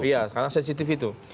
iya karena sensitif itu